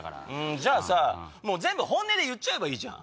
じゃあさ全部本音で言っちゃえばいいじゃん。